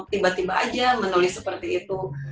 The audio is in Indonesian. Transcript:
tiba tiba aja menulis seperti itu